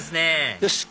よし！